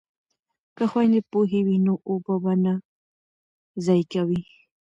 که خویندې پوهې وي نو اوبه به نه ضایع کوي.